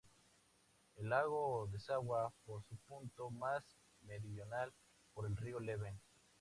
El lago desagua por su punto más meridional por el río Leven.